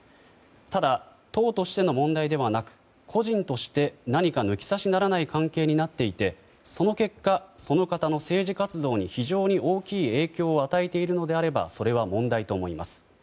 ただ党としての問題ではなく個人として何か抜き差しならない関係になっていてその結果、その方の政治活動に非常に大きい影響を与えているのであればそれは問題と思います。